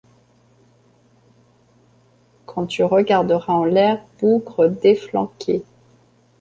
Quand tu regarderas en l'air, bougre d'efflanqué !